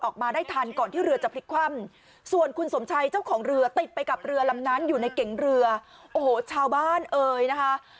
กล่ำน้ำอยู่ในเก่งเรือโอ้โหแบบชาวบ้านเอ๋ยนะคะ